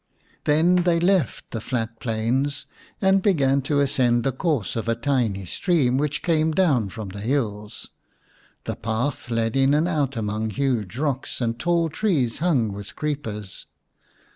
Then they left the flat plains and began to ascend the course of a tiny stream which came 152 xni The Reward of Industry down from the hills. The path led in and out among huge rocks and tall trees hung with creepers.